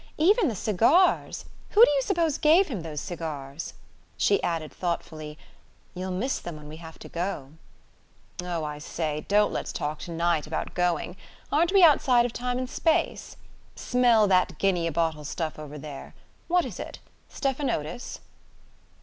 Even the cigars who do you suppose gave him those cigars?" She added thoughtfully: "You'll miss them when we have to go." "Oh, I say, don't let's talk to night about going. Aren't we outside of time and space...? Smell that guinea a bottle stuff over there: what is it? Stephanotis?"